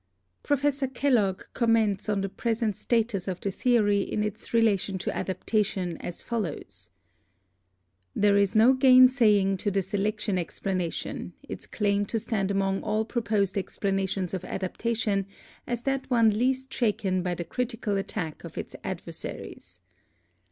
Professor Kellogg comments on the present status of the theory in its relation to adap tations as follows : "There is no gainsaying to the selec tion explanation its claim to stand among all proposed ex planations of adaptation as that one least shaken by the critical attack of its adversaries.